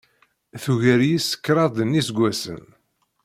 Tugar-iyi s kraḍ n yiseggasen.